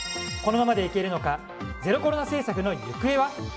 このままでいけるのかゼロコロナ政策の行方は？